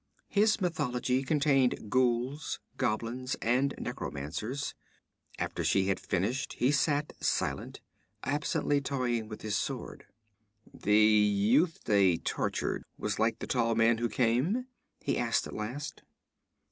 His mythology contained ghouls, goblins, and necromancers. After she had finished, he sat silent, absently toying with his sword. 'The youth they tortured was like the tall man who came?' he asked at last.